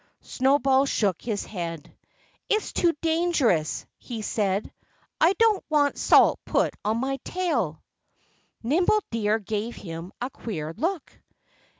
Snowball shook his head. "It's too dangerous," he said. "I don't want salt put on my tail." Nimble Deer gave him a queer look.